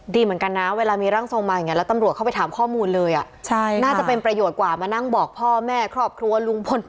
ดีเหมือนกันนะเวลามีร่างทรงมาอย่างนี้แล้วตำรวจเข้าไปถามข้อมูลเลยน่าจะเป็นประโยชน์กว่ามานั่งบอกพ่อแม่ครอบครัวลุงพล